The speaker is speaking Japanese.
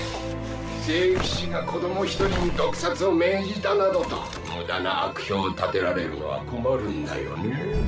聖騎士が子供１人に毒殺を命じたなどと無駄な悪評を立てられるのは困るんだよね。